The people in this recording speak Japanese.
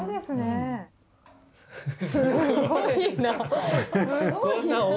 すごいな。